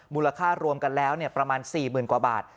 มูลค่ารวมกันแล้วประมาณ๔๐๐๐กว่าบาท